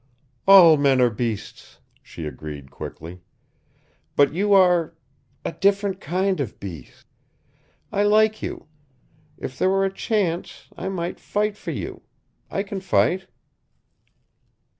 "All men are beasts," she agreed quickly. "But you are a different kind of beast. I like you. If there were a chance, I might fight for you. I can fight."